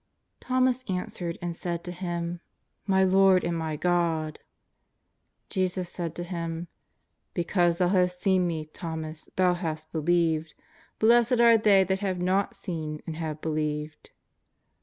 '' Thomas answered and said to Him :^' My Lord and my God !" Jesus said to him :" Because thou hast seen Me, Thomas, thou hast believed ; blessed are they that have not seen and have believed."